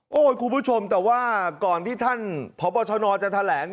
โอ้โหคุณผู้ชมแต่ว่าก่อนที่ท่านพบชนจะแถลง